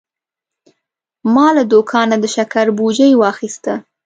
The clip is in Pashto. ما له دوکانه د شکر بوجي واخیسته.